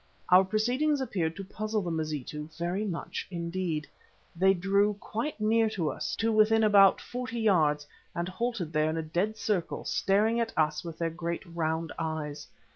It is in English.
Our proceedings appeared to puzzle the Mazitu very much indeed. They drew quite near to us, to within about forty yards, and halted there in a dead circle, staring at us with their great round eyes.